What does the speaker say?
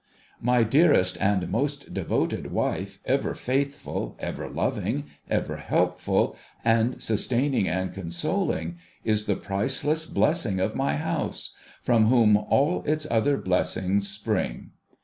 My dearest and most devoted wife, ever faithful, ever loving, ever helpful and sustaining and consoling, is the priceless blessing of my house ; from whom all its other blessings spring.